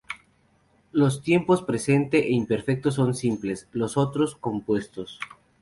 Los tiempos presente e imperfecto son simples; los otros, compuestos.